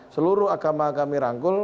seluruh agama kami rangkul